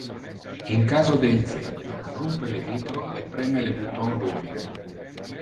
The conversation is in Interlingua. In caso de incendio, rumpe le vitro e preme le button rubie.